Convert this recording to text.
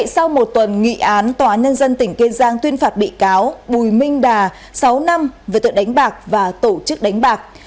sau một tuần nghị án tòa nhân dân tỉnh kiên giang tuyên phạt bị cáo bùi minh đà sáu năm về tội đánh bạc và tổ chức đánh bạc